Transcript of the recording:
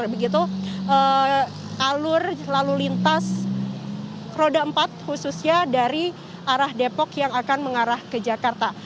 jadi ini adalah alur lalu lintas roda empat khususnya dari arah depok yang akan mengarah ke jakarta